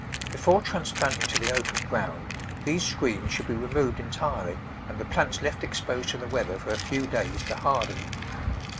Before transplanting to die open ground these screens should be removed entirely and the plants left exposed to the weather for a few days to harden.